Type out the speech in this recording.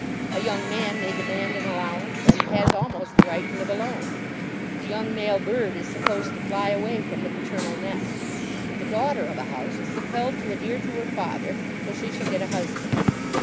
A young man may demand an allowance, and has almost a right to live alone. The young male bird is supposed to fly away from the paternal nest. But the daughter of a house is compelled to adhere to her father till she shall get a husband.